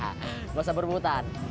nggak usah berbutan